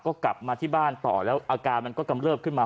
ก็กลับมาที่บ้านต่อแล้วอาการมันก็กำเริบขึ้นมา